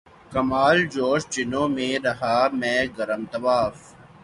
کمال جوش جنوں میں رہا میں گرم طواف